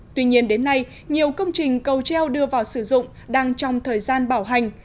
tuy nhiên đến nay nhiều công trình cầu treo đưa vào sử dụng đang trong thời gian bảo hành